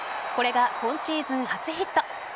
これが今シーズン初ヒット。